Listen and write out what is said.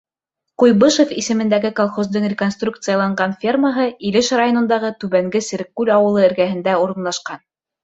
Куйбышев исемендәге колхоздың реконструкцияланған фермаһы Илеш районындағы Түбәнге Сереккүл ауылы эргәһендә урынлашҡан.